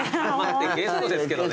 ゲストですけどね。